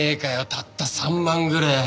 たった３万ぐれえ。